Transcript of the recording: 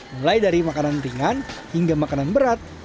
mulai dari makanan ringan hingga makanan berat